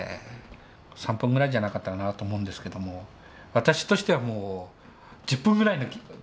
３分ぐらいじゃなかったかなと思うんですけども私としてはもう１０分ぐらいな感じでした。